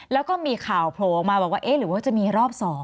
แล้วก็มีข่าวโผล่ออกมาบอกว่าเอ๊ะหรือว่าจะมีรอบ๒